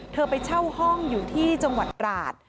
ไปเช่าห้องอยู่ที่จังหวัดตราด